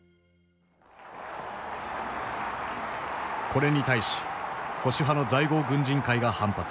これに対し保守派の在郷軍人会が反発。